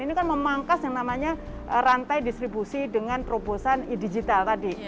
ini kan memangkas yang namanya rantai distribusi dengan terobosan digital tadi